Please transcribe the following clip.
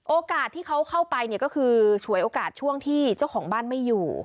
โอกาสที่เขาเข้าไปเนี่ยก็คือฉวยโอกาสช่วงที่เจ้าของบ้านไม่อยู่